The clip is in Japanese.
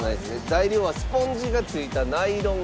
材料はスポンジがついたナイロン。